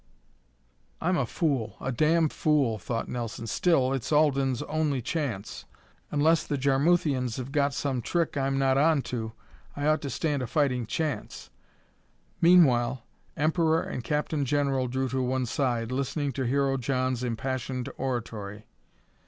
"I'm a fool, a damn fool!" thought Nelson. "Still, it's Alden's only chance unless the Jarmuthians've got some trick I'm not on to, I ought to stand a fighting chance." Meanwhile Emperor and Captain General drew to one side, listening to Hero John's impassioned oratory.